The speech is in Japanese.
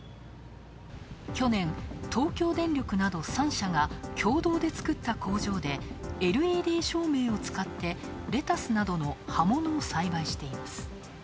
去年、東京電力など３社が共同で作った工場で、ＬＥＤ照明を使ってレタスなどの葉物を栽培しています。